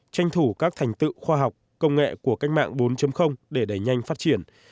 tranh thủ các thành tựu khoa học công nghệ của cách mạng bốn để đẩy nhanh phát triển